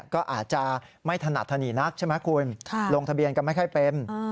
ก็อาจจะไม่ถนัดถนีนักใช่ไหมคุณลงทะเบียนกันไม่ค่อยเป็น